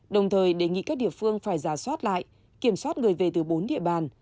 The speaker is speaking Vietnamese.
đồng thời đề nghị các địa phương phải giả soát lại kiểm soát người về từ bốn địa bàn